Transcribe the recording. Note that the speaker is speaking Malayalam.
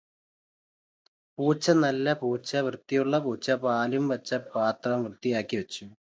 പൂച്ച നല്ല പൂച്ച വൃത്തിയുള്ള പൂച്ച പാലു വച്ച പാത്രം വൃത്തിയാക്കി വച്ചു.